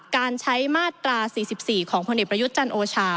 การใช้มาตรา๔๔ของพลเอกประยุทธ์จันทร์โอชา